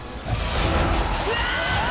うわ！